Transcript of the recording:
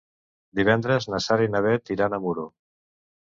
Divendres na Sara i na Bet iran a Muro.